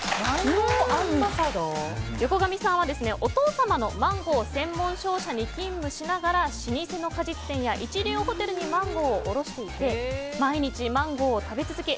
横上さんはお父様のマンゴー専門商社に勤務しながら老舗の果実店や一流ホテルにマンゴーを卸していて毎日マンゴーを食べ続け